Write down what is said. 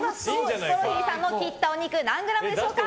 ヒコロヒーさんの切ったお肉何グラムでしょうか。